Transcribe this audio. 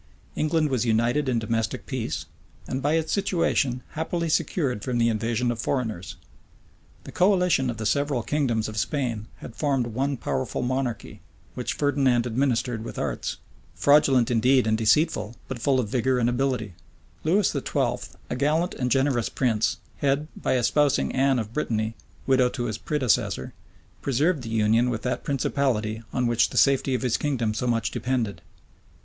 England was united in domestic peace, and by its situation happily secured from the invasion of foreigners. The coalition of the several kingdoms of Spain had formed one powerful monarchy, which Ferdinand administered with arts, fraudulent indeed and deceitful, but full of vigor and ability. Lewis XII., a gallant and generous prince, had, by espousing Anne of Brittany, widow to his predecessor, preserved the union with that principality, on which the safety of his kingdom so much depended.